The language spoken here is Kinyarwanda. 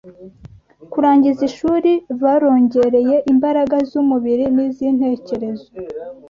kurangiza ishuri barongereye imbaraga z’umubiri n’iz’intekerezo